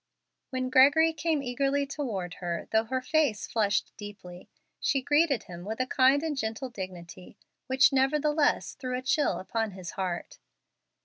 When Gregory came eagerly toward her, though her face flushed deeply, she greeted him with a kind and gentle dignity, which, nevertheless, threw a chill upon his heart.